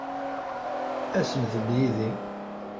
Asemt-d yid-i.